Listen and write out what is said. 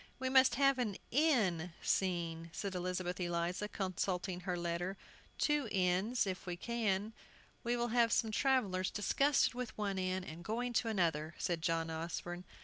"We must have an 'inn' scene," said Elizabeth Eliza, consulting her letter; "two inns, if we can." "We will have some travellers disgusted with one inn, and going to another," said John Osborne.